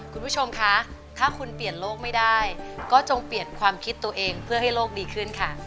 คุณผู้ชมคะถ้าคุณเปลี่ยนโลกไม่ได้ก็จงเปลี่ยนความคิดตัวเองเพื่อให้โลกดีขึ้นค่ะ